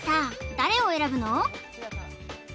誰を選ぶの？